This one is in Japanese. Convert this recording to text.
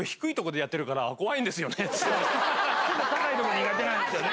高いとこ苦手なんですよね。